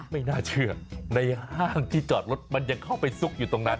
ไม่น่าเชื่อในห้างที่จอดรถมันยังเข้าไปซุกอยู่ตรงนั้น